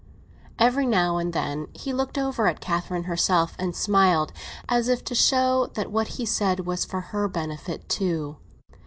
Every now and then he looked over at Catherine herself and smiled, as if to show that what he said was for her benefit too.